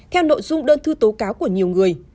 theo nội dung đơn thư tố cáo của nhiều người